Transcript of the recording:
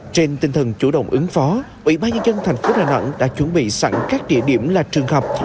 trên tinh thần chủ động ứng phó ủy ban nhân dân thành phố đà nẵng đã chuẩn bị sẵn các địa điểm là trường học